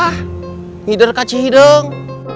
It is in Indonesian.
hidur kacih hidung